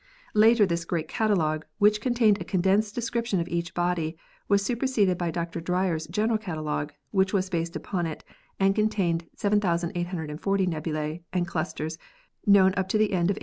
Later this great catalogue, which contained a condensed description of each body, was super seded by Dr. Dreyer's general catologue, which was based upon it, and contained 7,840 nebulae and clusters known up to the end of 1887.